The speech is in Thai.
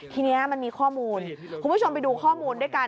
ทีนี้มันมีข้อมูลคุณผู้ชมไปดูข้อมูลด้วยกัน